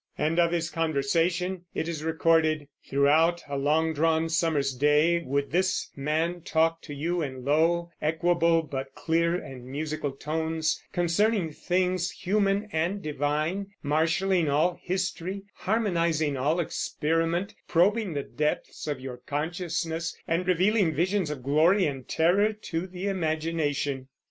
And of his conversation it is recorded: "Throughout a long drawn summer's day would this man talk to you in low, equable but clear and musical tones, concerning things human and divine; marshalling all history, harmonizing all experiment, probing the depths of your consciousness, and revealing visions of glory and terror to the imagination."